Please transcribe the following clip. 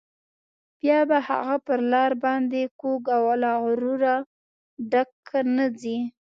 بیا به هغه پر لار باندې کوږ او له غروره ډک نه ځي.